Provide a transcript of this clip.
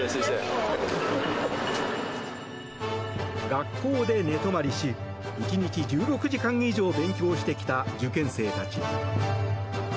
学校で寝泊まりし１日１６時間以上勉強してきた受験生たち。